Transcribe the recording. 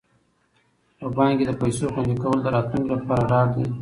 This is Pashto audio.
په بانک کې د پيسو خوندي کول د راتلونکي لپاره ډاډ دی.